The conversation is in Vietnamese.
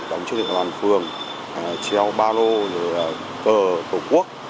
đáng chú ý của đoàn phường treo ba lô cờ tổ quốc